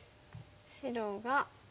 白が。